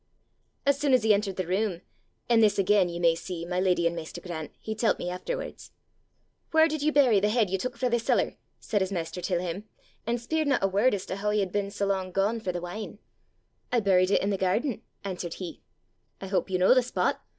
As soon as he entered the room an' this again, ye may see, my leddy an' maister Grant, he tellt me efterwards 'Whaur did ye bury the heid ye tuik frae the cellar?' said his master til him, an' speiredna a word as to hoo he had been sae lang gane for the wine. 'I buried it i' the gairden,' answered he. 'I hope you know the spot!